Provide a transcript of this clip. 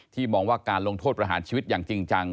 มองว่าการลงโทษประหารชีวิตอย่างจริงจัง